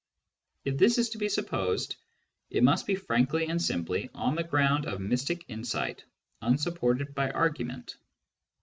If this is to be supposed, it must be frankly and simply on the ground of mystic insight unsupported by argument.